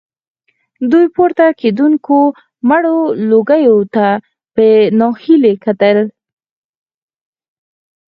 دوی پورته کېدونکو مړو لوګيو ته په ناهيلۍ کتل.